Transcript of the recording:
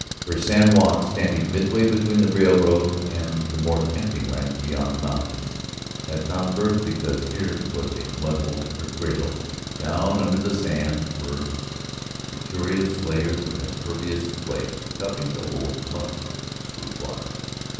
For San Juan, standing midway between the railroad and the more tempting lands beyond the mountains, had found birth because here was a mud hole for cradle; down under the sand were fortuitous layers of impervious clay cupping to hold much sweet water.